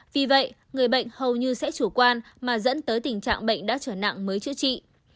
vì vậy người bệnh hầu như sẽ chủ quan mà dẫn tới tình trạng bệnh đã trở nặng mới chữa trị